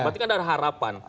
berarti kan ada harapan